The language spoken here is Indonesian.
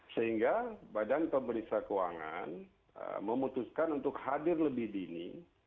sehingga badan pemeriksa keuangan memutuskan untuk hadir lebih dini